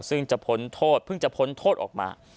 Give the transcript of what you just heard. ซึ่งจะพ้นโทษเพิ่งจะพ้นโทษออกมา